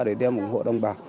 để đem ủng hộ đồng bào